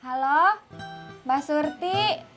halo mbak surti